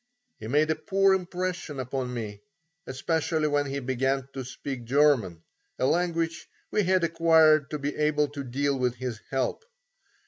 He made a poor impression upon me, especially when he began to speak German, a language which he had acquired to be able to deal with his help.